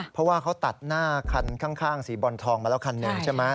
เพราะว่าเขาตัดหน้าคันข้างสีบอลทองมาแล้วคันหนึ่งใช่ไหม